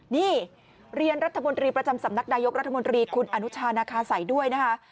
นี่เรียนรัฐมนตรีประจำสำนักนายกรัฐมนตรีคุณอนุชานาคาสัยด้วยนะคะ